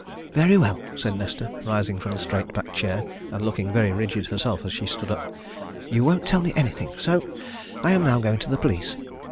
"Very well!" said Nesta, rising from the straight backed chair, and looking very rigid herself as she stood up. "You won't tell me anything! So I am now going to the police.